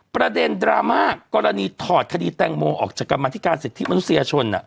ประเด็นดราม่ากรณีถอดคดีแตงโมออกจากกรรมธิการสิทธิมนุษยชน